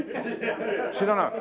知らない？